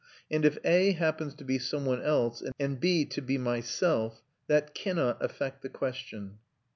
And if A happens to be some one else, and B to be myself, that cannot affect the question."